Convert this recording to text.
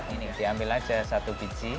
ini diambil aja satu biji